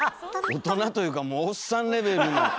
大人というかもうオッサンレベル。